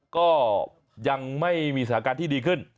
ก็ยังไม่มีสถานการณ์ที่ดีขึ้น